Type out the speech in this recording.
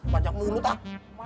banyak mulut ah